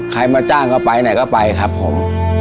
มาจ้างก็ไปไหนก็ไปครับผม